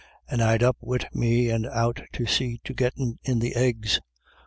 And I'd up wid me and out to see to git tin' in the eggs.